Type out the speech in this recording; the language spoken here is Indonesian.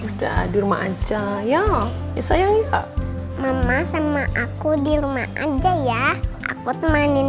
udah di rumah aja ya soalnya mama sama aku di rumah aja ya aku temanin